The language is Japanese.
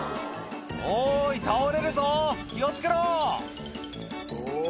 「おい倒れるぞ気を付けろ！」